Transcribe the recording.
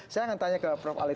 saya akan tanya ke prof ali